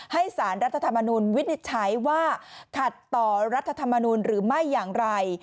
สารรัฐธรรมนูลวินิจฉัยว่าขัดต่อรัฐธรรมนูลหรือไม่อย่างไร